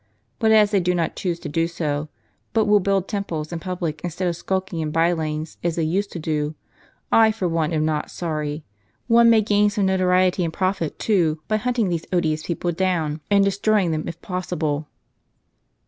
But as they do not choose to do so, but will build temples in public instead of skulking in by lanes, as they used to do, I for one am not sorry. One may gain some notoriety, and profit too, by hunting these odious people down, and destroying them if possible."